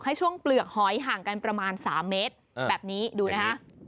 ช่วงเปลือกหอยห่างกันประมาณ๓เมตรแบบนี้ดูนะฮะ